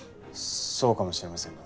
そうかもしれませんが。